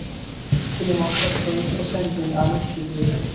তিনি মক্কার Sharif Hussein bin আলীর তৃতীয় পুত্র।